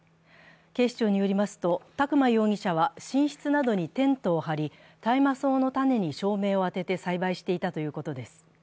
警視庁によりますと、宅間容疑者は寝室などにテントを張り、大麻草の種に照明を当てて栽培していたということです。